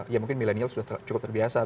ya mungkin milenial sudah cukup terbiasa